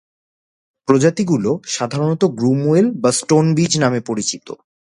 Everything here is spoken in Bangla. প্রজাতিগুলি সাধারণত গ্রুমওয়েল বা স্টোনবীজ নামে পরিচিত।